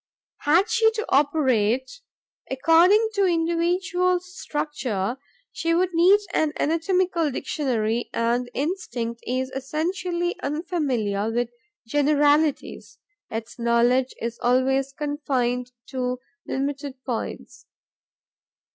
Had she to operate according to individual structure, she would need an anatomical dictionary; and instinct is essentially unfamiliar with generalities: its knowledge is always confined to limited points.